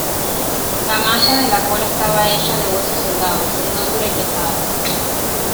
La maza de la cola estaba hecha de huesos soldados, siendo dura y pesada.